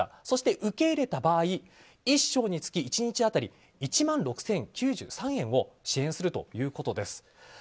そして、受け入れた場合１床につき１日当たり１万６０９３円を支援するということです。